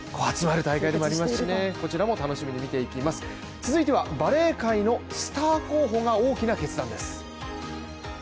続いては、バレー界のスター候補が大きな決断です。